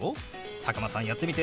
佐久間さんやってみて！